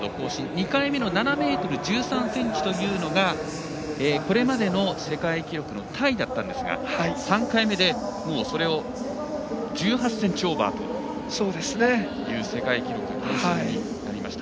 ２回目の７ｍ１３ｃｍというのがこれまでの世界記録のタイだったんですが３回目で、それを１８ｃｍオーバーという世界記録になりました。